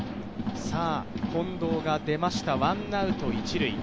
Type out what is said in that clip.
近藤が出ました、ワンアウト一塁。